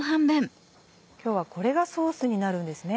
今日はこれがソースになるんですね。